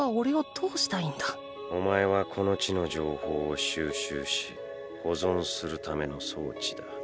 ⁉お前はこの地の情報を収集し保存するための装置だ。